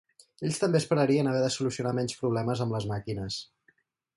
Ells també esperarien haver de solucionar menys problemes amb les màquines.